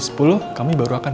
kami baru akan berjalan